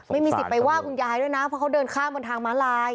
ไม่มีสิทธิ์ไปว่าคุณยายด้วยนะเพราะเขาเดินข้ามบนทางม้าลาย